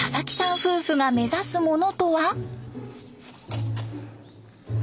夫婦が目指すものとは？